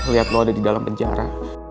lihat lo ada di dalam penjara